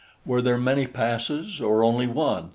Were there many passes or only one?